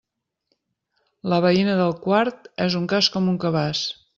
La veïna del quart és un cas com un cabàs.